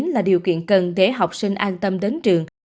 là điều kiện cần để học sinh an tâm đến trường